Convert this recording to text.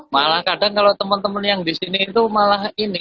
malah kadang kalau teman teman yang di sini itu malah ini